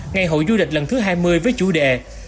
ngày hội du lịch lần thứ hai mươi với chủ đề